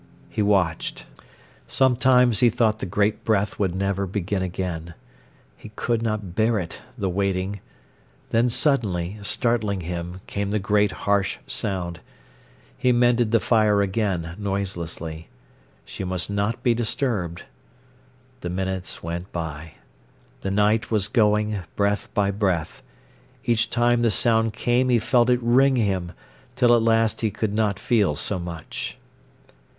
He watched. Sometimes he thought the great breath would never begin again. He could not bear it—the waiting. Then suddenly, startling him, came the great harsh sound. He mended the fire again, noiselessly. She must not be disturbed. The minutes went by. The night was going, breath by breath. Each time the sound came he felt it wring him, till at last he could not feel so much.